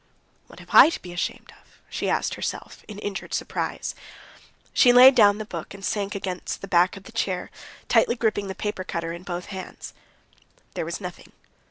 "What have I to be ashamed of?" she asked herself in injured surprise. She laid down the book and sank against the back of the chair, tightly gripping the paper cutter in both hands. There was nothing.